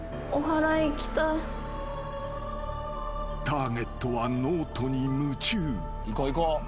［ターゲットはノートに夢中］